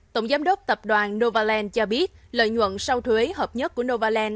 tổng giám đốc tập đoàn novaland cho biết lợi nhuận sau thuế hợp nhất của novaland